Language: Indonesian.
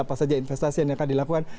apa saja investasi yang akan dilakukan